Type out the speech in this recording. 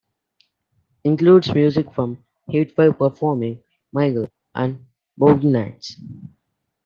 Includes music from Heatwave performing "My Girl" and "Boogie Nights".